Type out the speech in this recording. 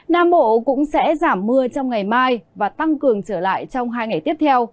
nam bộ cũng sẽ giảm mưa trong ngày mai và tăng cường trở lại trong hai ngày tiếp theo